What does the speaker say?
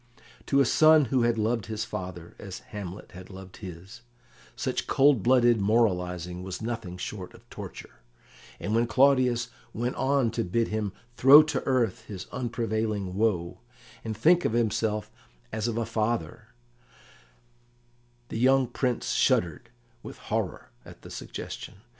To a son who had loved his father, as Hamlet had loved his, such cold blooded moralising was nothing short of torture, and when Claudius went on to bid him throw to earth his unprevailing woe, and think of himself as of a father, the young Prince shuddered with horror at the suggestion.